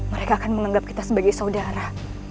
mereka akan menganggap kita sebagai saudara